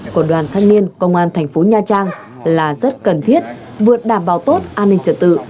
của đoàn thanh niên công an thành phố nha trang là rất cần thiết vượt đảm bảo tốt an ninh trật tự